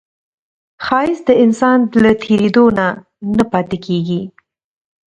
ښایست د انسان له تېرېدو نه نه پاتې کېږي